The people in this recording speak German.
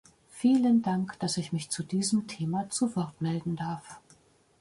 Vielen Dank, dass ich mich zu diesem Thema zu Wort melden darf.